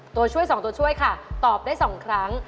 ตัวช่วย๒ตัวช่วยค่ะตอบได้๒ครั้ง